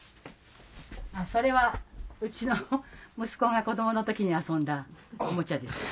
それはうちの息子が子供の時に遊んだおもちゃです。